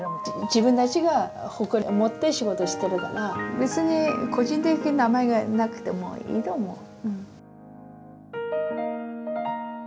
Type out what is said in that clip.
自分たちが誇りを持って仕事をしてるから別に個人的に名前がなくてもいいと思う。